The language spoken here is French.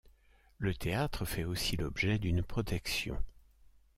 Le théâtre fait aussi l'objet d'une protection.